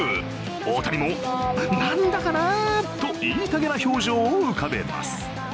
大谷も、なんだかなあと言いたげな表情を浮かべます。